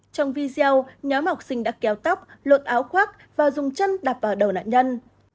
trong video nhóm học sinh đã kéo tóc lột áo khoác và dùng chân đập vào đầu nạn nhân